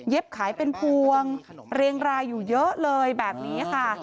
ขายเป็นพวงเรียงรายอยู่เยอะเลยแบบนี้ค่ะ